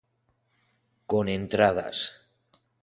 Con entradas.